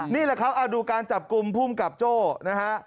นี่แหละครับดูการจับกลุ่มภูมิกับโจ้นะฮะ